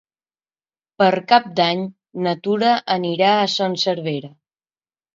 Per Cap d'Any na Tura anirà a Son Servera.